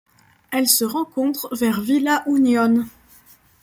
Elle se rencontre vers Villa Unión.